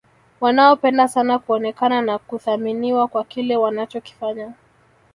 wanaopenda sana kuonekana na kuthaminiwa kwa kile wanachokifanya